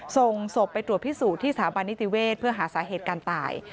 ส่งศพไปตรวจพิสูจน์ที่สถาบันนิติเวศเพื่อหาสาเหตุการตาย